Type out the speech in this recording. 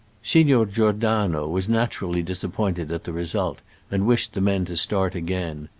X Signor Giordano was naturally disappointed at the result, and wished the men to start again.